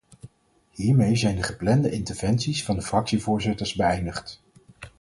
Hiermee zijn de geplande interventies van de fractievoorzitters beëindigd.